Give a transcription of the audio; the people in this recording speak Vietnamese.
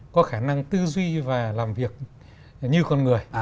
có khả năng tư duy và làm việc như con người